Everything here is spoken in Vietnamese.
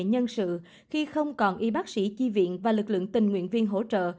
nhân sự khi không còn y bác sĩ chi viện và lực lượng tình nguyện viên hỗ trợ